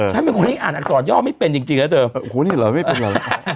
ทำไมคุณให้อ่านอักษรย่อไม่เป็นจริงจริงแล้วเธอโอ้โหนี่เหรอไม่เป็นเหรอ